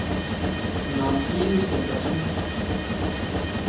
"Not to you," said Gussie.